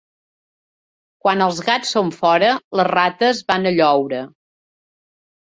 Quan els gats són fora les rates van a lloure.